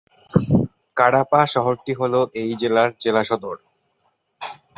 কাডাপা শহরটি হল এই জেলার জেলাসদর।